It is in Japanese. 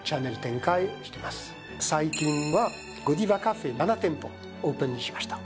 最近はゴディバカフェ７店舗オープンしました。